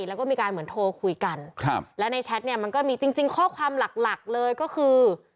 แล้วก็มีการเหมือนโทรคุยกันครับแล้วในแชทเนี่ยมันก็มีจริงจริงข้อความหลักหลักเลยก็คือ